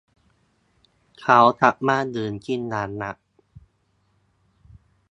เขากลับมาดื่มกินอย่างหนัก